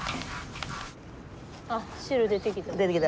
あっ汁出てきた。